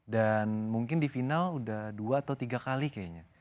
dan mungkin di final udah dua atau tiga kali kayaknya